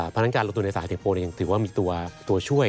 พนักงานลงทุนในสหรัฐสิงคโปรยังถือว่ามีตัวช่วย